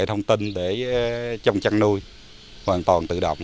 thông tin để trong chăn nuôi hoàn toàn tự động